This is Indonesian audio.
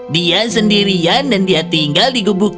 dia sendirian dan dia tinggal di gubuk